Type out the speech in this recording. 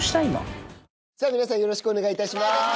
今・さぁ皆さんよろしくお願いいたします。